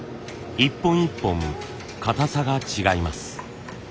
一本一本硬さが違います。